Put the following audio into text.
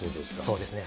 そうですね。